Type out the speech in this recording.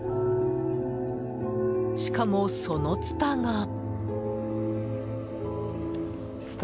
しかも、そのツタが。